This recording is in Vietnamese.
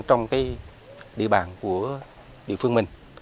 trong địa bàn của địa phương mình